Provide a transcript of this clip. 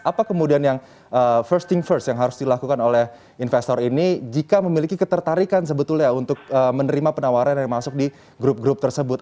apa kemudian yang first thing first yang harus dilakukan oleh investor ini jika memiliki ketertarikan sebetulnya untuk menerima penawaran yang masuk di grup grup tersebut